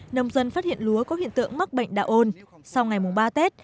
nông dân phát hiện lúa có hiện tượng mắc bệnh đạo ôn sau ngày mùng ba tết